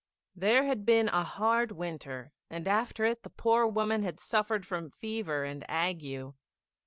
There had been a hard winter, and after it the poor woman had suffered from fever and ague.